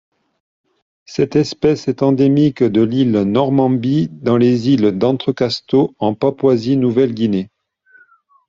Cette espèce est endémique de l'île Normanby dans les îles d'Entrecasteaux en Papouasie-Nouvelle-Guinée.